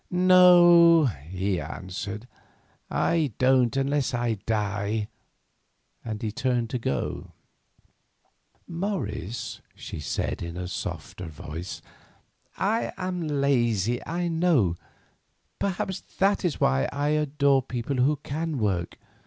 "No," he answered, "I don't unless I die," and he turned to go. "Morris," she said, in a softer voice, "I am lazy, I know. Perhaps that is why I adore people who can work.